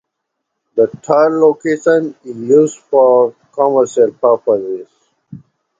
The third location is used for commercial purposes.